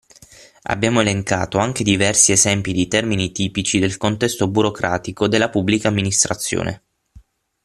Abbiamo elencato anche diversi esempi di termini tipici del contesto burocratico della Pubblica Amministrazione.